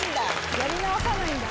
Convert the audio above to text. やり直さないんだ。